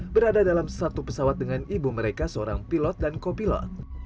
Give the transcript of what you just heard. berada dalam satu pesawat dengan ibu mereka seorang pilot dan kopilot